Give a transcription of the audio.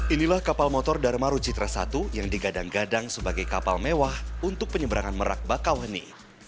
inilah kapal motor dharma rucitra i yang digadang gadang sebagai kapal mewah untuk penyeberangan merak bakauheni